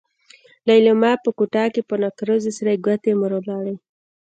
ليلما په کوټه کې په نکريزو سرې ګوتې مروړلې.